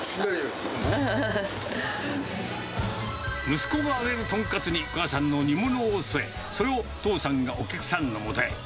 息子が揚げるトンカツに、母さんの煮物を添え、それを父さんがお客さんのもとへ。